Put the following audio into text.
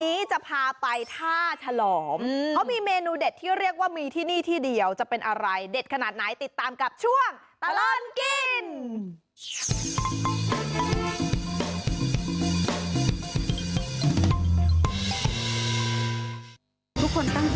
วันนี้จะพาไปท่าฉลอมเขามีเมนูเด็ดที่เรียกว่ามีที่นี่ที่เดียวจะเป็นอะไรเด็ดขนาดไหนติดตามกับช่วงตลอดกิน